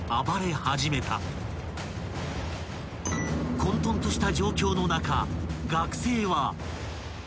［混沌とした状況の中学生は］